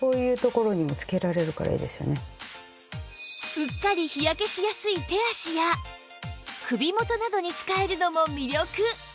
うっかり日焼けしやすい手足や首元などに使えるのも魅力